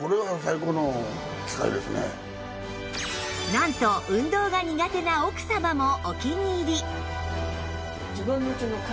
なんと運動が苦手な奥様もお気に入り